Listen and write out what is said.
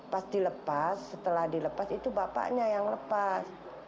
pas dilepas setelah dilepas itu bapaknya yang lepas